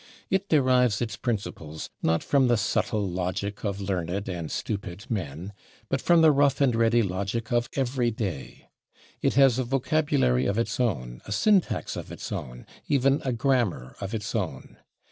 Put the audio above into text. It derives its principles, not from the subtle logic [Pg185] of learned and stupid men, but from the rough and ready logic of every day. It has a vocabulary of its own, a syntax of its own, even a grammar of its own.